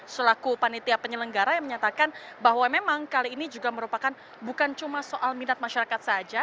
selaku panitia penyelenggara yang menyatakan bahwa memang kali ini juga merupakan bukan cuma soal minat masyarakat saja